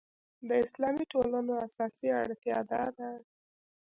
د اسلامي ټولنو اساسي اړتیا دا ده.